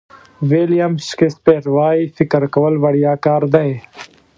ویلیام شکسپیر وایي فکر کول وړیا کار دی.